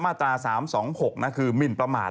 มาตรา๓๒๖คือหมินประมาท